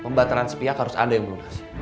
pembateran sepiak harus ada yang melunas